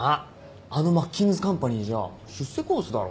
あのマッキンズカンパニーじゃ出世コースだろ？